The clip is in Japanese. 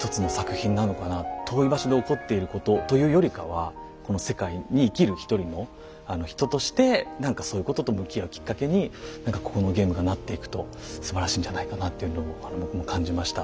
遠い場所で起こっていることというよりかはこの世界に生きる一人の人としてそういうことと向き合うきっかけにここのゲームがなっていくとすばらしいんじゃないかなというのを僕も感じました。